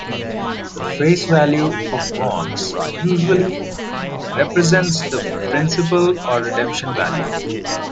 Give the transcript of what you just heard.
The face value of bonds usually represents the principal or redemption value.